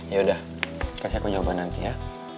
ya udah kasih aku nyoba nanti ya